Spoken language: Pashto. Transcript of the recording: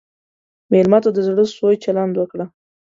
مېلمه ته د زړه سوي چلند وکړه.